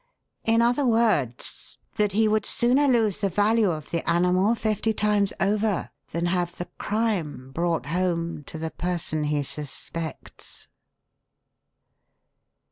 In other words, that he would sooner lose the value of the animal fifty times over than have the crime brought home to the person he suspects."